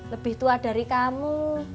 lebih tua dari kamu